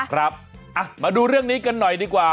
ครับมาดูเรื่องนี้กันหน่อยดีกว่า